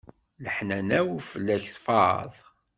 Leḥnana-w fell-ak tfaḍ.